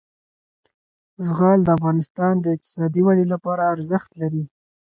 زغال د افغانستان د اقتصادي ودې لپاره ارزښت لري.